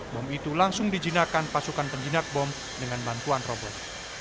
bom itu langsung dijinakkan pasukan penjinak bom dengan bantuan robot